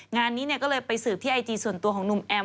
งานนี้ก็เลยไปสืบที่ไอจีส่วนตัวของหนุ่มแอม